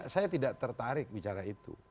saya tidak tertarik bicara itu